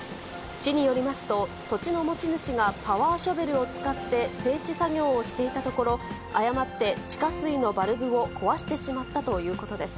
市によりますと、土地の持ち主がパワーショベルを使って整地作業をしていたところ、誤って地下水のバルブを壊してしまったということです。